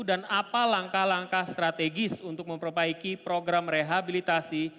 dan apa langkah langkah strategis untuk memperbaiki program rehabilitasi